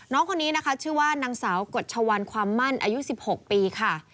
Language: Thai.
น้องคนนี้นะคะชื่อว่านางสาวกฎชวันความมั่นอายุ๑๖ปีค่ะ